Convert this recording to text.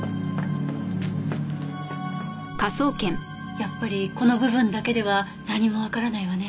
やっぱりこの部分だけでは何もわからないわね。